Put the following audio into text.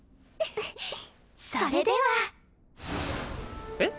それではえっ？